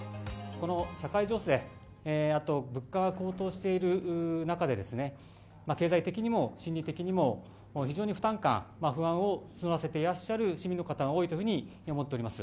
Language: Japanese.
この社会情勢、あと物価が高騰している中で、経済的にも心理的にも、非常に負担感、不安を募らせていらっしゃる市民の方が多いというふうに思っております。